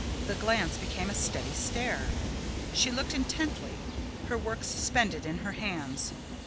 The glance became a steady stare. She looked intently, her work suspended in her hands.